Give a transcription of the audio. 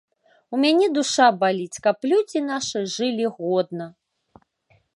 У мяне душа баліць, каб людзі нашы жылі годна!